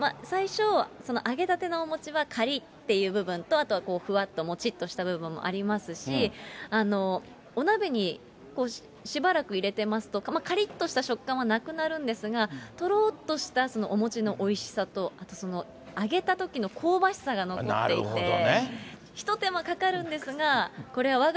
最初揚げたてのお餅はかりっていう部分と、あとはふわっともちっとした部分もありますし、お鍋にしばらく入れてますと、かりっとした食感はなくなるんですが、とろーっとしたお餅のおいしさと、あと揚げたときの香ばしさが残っていて。